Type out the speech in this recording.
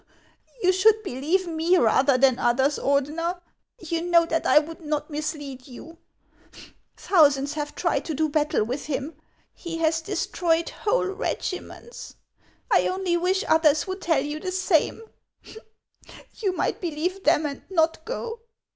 You should believe me rather than others, Ordener; you know that I would not mislead you. Thousands have tried to do battle with him ; he has destroyed whole regi ments. T only wish others would tell you the same ; you might believe them and not go."